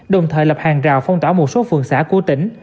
đồng thời lập hàng rào phong tỏa một số phường xã của tỉnh